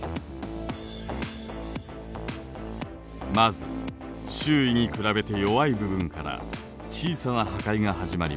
まず周囲に比べて弱い部分から小さな破壊が始まります。